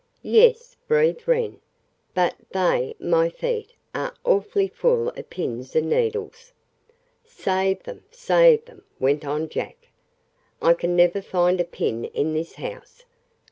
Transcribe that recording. "Yes," breathed Wren; "but they my feet are awfully full of pins and needles." "Save them, save them," went on Jack. "I can never find a pin in this house.